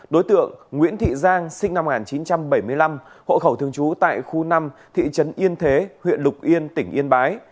đối tượng nguyễn thị giang sinh năm một nghìn chín trăm bảy mươi năm hộ khẩu thường trú tại khu năm thị trấn yên thế huyện lục yên tỉnh yên bái